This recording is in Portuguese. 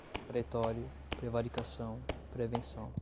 pretório, prevaricação, prevenção